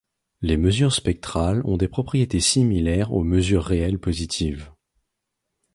Les mesures spectrales ont des propriétés similaires aux mesures réelles positives.